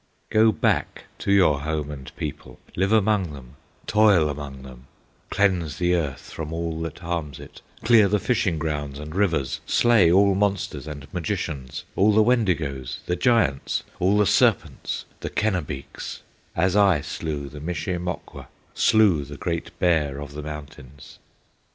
"Go back to your home and people, Live among them, toil among them, Cleanse the earth from all that harms it, Clear the fishing grounds and rivers, Slay all monsters and magicians, All the Wendigoes, the giants, All the serpents, the Kenabeeks, As I slew the Mishe Mokwa, Slew the Great Bear of the mountains.